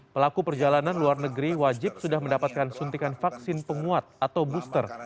pelaku perjalanan luar negeri wajib sudah mendapatkan suntikan vaksin penguat atau booster